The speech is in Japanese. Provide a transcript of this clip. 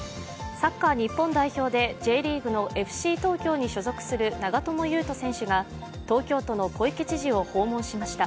サッカー日本代表でＪリーグのＦＣ東京に所属する長友佑都選手が東京都の小池知事を訪問しました。